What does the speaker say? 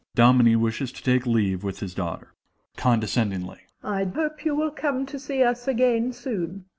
(Dominie wishes to take leave with his daughter.) MRS. S. (condescendingly). I hope you will come to see us again soon.